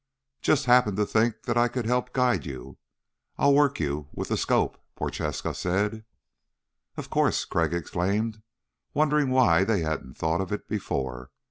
"Just happened to think that I could help guide you. I'll work you with the scope," Prochaska said. "Of course," Crag exclaimed, wondering why they hadn't thought of it before.